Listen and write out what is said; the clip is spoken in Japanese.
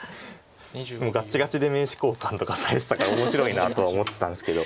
もうガッチガチで名刺交換とかされてたから面白いなとは思ってたんですけど。